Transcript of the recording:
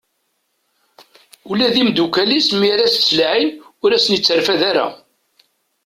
Ula d imddukal-is mi ara as-d-ttalaɛin ur asen-itterfad ara.